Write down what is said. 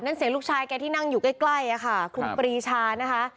เสียงลูกชายแกที่นั่งอยู่ใกล้ค่ะครูปรีชานะคะ